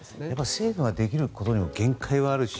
政府ができることにも限界はあるし